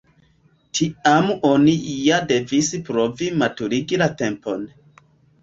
Tiam oni ja devis provi maturigi la tempon.